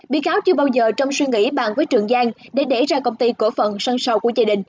bị cáo chưa bao giờ trong suy nghĩ bàn với trường giang để đẩy ra công ty cổ phận sân sầu của gia đình